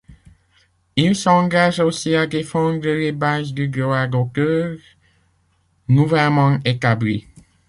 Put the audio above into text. Il s'engage aussi à défendre les bases du droit d'auteur, nouvellement établies.